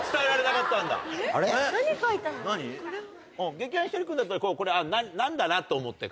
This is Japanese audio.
劇団ひとり君だったらこれ何だなと思って描く？